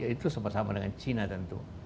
itu sama sama dengan cina tentu